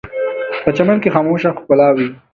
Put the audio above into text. په چمن کې خاموشه ښکلا وي